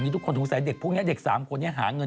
ถ้าไปมาสองสามเกือนอย่างนี้